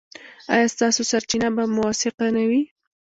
ایا ستاسو سرچینه به موثقه نه وي؟